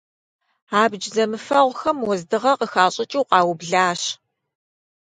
Абдж зэмыфэгъухэм уэздыгъэ къыхащӀыкӀыу къаублащ.